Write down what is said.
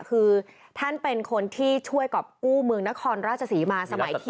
คือท่านเป็นคนที่ช่วยกรอบกู้เมืองนครราชศรีมาสมัยที่